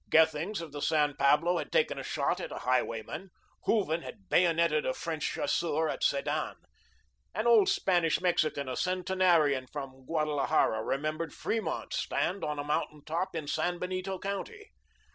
Gethings of the San Pablo had taken a shot at a highwayman. Hooven had bayonetted a French Chasseur at Sedan. An old Spanish Mexican, a centenarian from Guadalajara, remembered Fremont's stand on a mountain top in San Benito County.